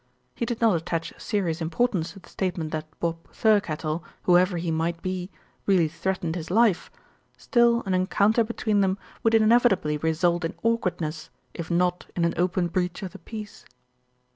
He did not attach serious im portance to the statement that Bob Thirkettle, who ever he might be, really threatened his life; still an encounter between them would inevitably result in awkwardness, if not in an open breach of the peace.